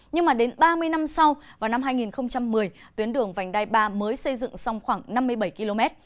năm hai nghìn một mươi tuyến đường vành đai ba mới xây dựng xong khoảng năm mươi bảy km